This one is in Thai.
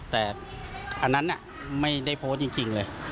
แต่อันนั้นไม่ได้โพสต์จริงเลย